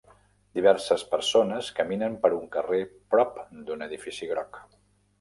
Diverses persones caminen per un carrer prop d'un edifici groc.